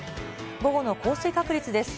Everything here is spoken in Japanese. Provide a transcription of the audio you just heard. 午後の降水確率です。